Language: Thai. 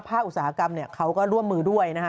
ผ้าอุสาหกรรมก็ร่วมมือด้วยนะฮะ